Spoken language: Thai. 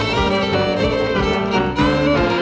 สวัสดีครับ